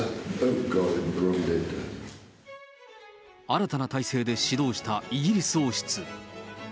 新たな体制で始動したイギリス王室。